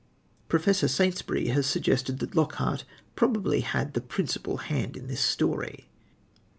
Professor Saintsbury has suggested that Lockhart probably had the principal hand in this story.